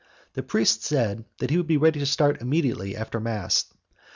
The priest said he would be ready to start immediately after mass.